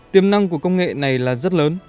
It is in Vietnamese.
tiềm năng của công nghệ này là rất lớn